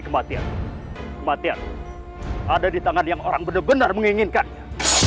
kematian ada di tangan yang orang benar benar menginginkannya